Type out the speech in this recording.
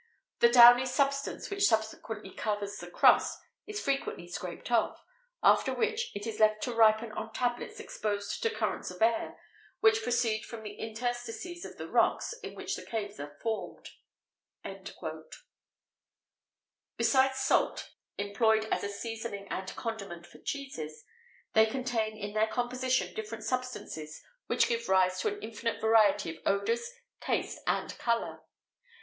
The downy substance which subsequently covers the crust is frequently scraped off; after which, it is left to ripen on tablets exposed to currents of air which proceed from the interstices of the rocks in which the caves are formed." Besides salt, employed as a seasoning and condiment for cheeses, they contain in their composition different substances which give rise to an infinite variety of odours, taste, and colour.